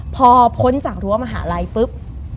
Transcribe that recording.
พอพ้นจากรั้วมหาลัยปุ๊บ